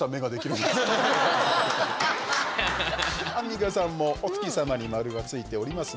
アンミカさんもお月様に丸がついておりますが。